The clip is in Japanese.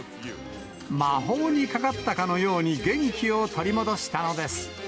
魔法にかかったかのように元気を取り戻したのです。